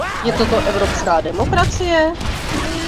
Je toto evropská demokracie?